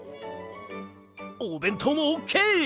おべんとうもオッケー！